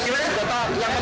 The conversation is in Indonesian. oh berupa wajah